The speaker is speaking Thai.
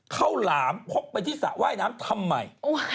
หลามพกไปที่สระว่ายน้ำทำไม